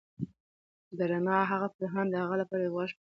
د رڼا هغه پيغام د هغه لپاره د یو غږ په څېر و.